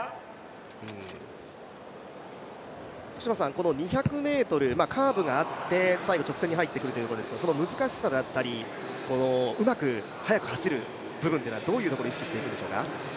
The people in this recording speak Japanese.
この２００ｍ、カーブがあって最後直線に入ってくるということですが、その難しさであったり、うまく速く走るという部分はどういうところを意識すればいいんでしょうか。